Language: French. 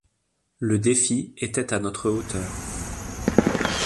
Le défi était à notre hauteur.